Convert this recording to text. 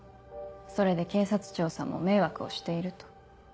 それで警察庁さんも迷惑をしていると？